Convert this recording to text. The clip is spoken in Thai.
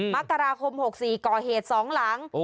มกราคม๖๔ก่อเหตุ๒หลัง